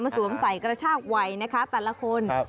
สวมใส่กระชากวัยนะคะแต่ละคน